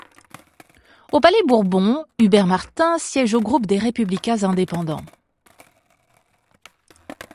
Au Palais Bourbon, Hubert Martin siège au groupe des Républicains indépendants.